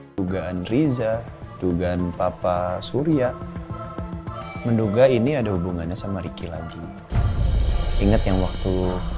dugaan riza dugaan papa surya menduga ini ada hubungannya sama ricky lagi ingat yang waktu